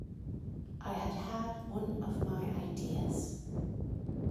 I had had one of my ideas.